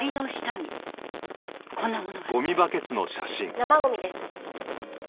生ゴミです。